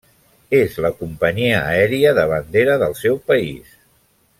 És la companyia aèria de bandera del seu país.